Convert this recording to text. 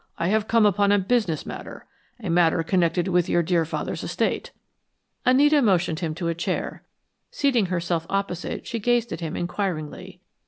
I have come upon a business matter a matter connected with your dear father's estate." Anita motioned him to a chair. Seating herself opposite, she gazed at him inquiringly.